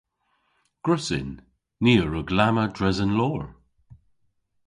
Gwrussyn. Ni a wrug lamma dres an loor.